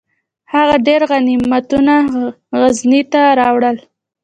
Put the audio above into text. هغه ډیر غنیمتونه غزني ته راوړل.